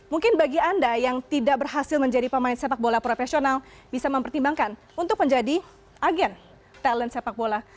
mungkin bagi anda yang tidak berhasil menjadi pemain sepak bola profesional bisa mempertimbangkan untuk menjadi agen talent sepak bola